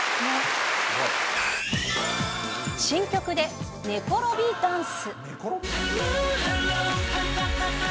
新曲で寝転びダンス。